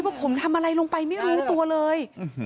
ว่าผมทำอะไรลงไปไม่รู้ตัวเลย